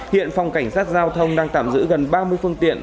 hiện phòng cảnh sát giao thông đang tạm giữ gần ba mươi phương tiện